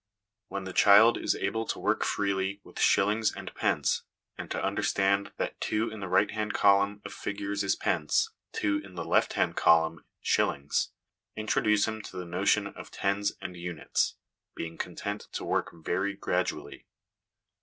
When the child is able to work freely with shillings and pence, and to understand that 2 in the right hand column of figures is pence, 2 in the left hand column, shillings, introduce him to the notion of tens and units, being content to work very gradually.